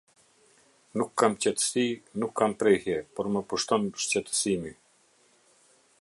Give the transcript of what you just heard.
Nuk kam qetësi, nuk kam prehje, por më pushton shqetësimi".